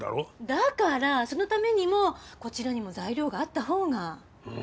だからそのためにもこちらにも材料があった方が。